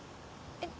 えっ？